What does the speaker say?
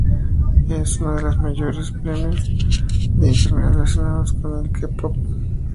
Es una de las mayores premios de Internet relacionados con el k-pop.